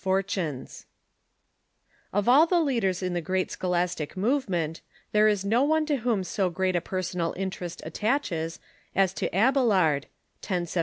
] Of all the leaders in the great scholastic movement there is no one to whom so great a personal interest attaches as to Ab elard (1079 1142).